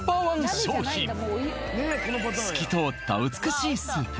透き通った美しいスープ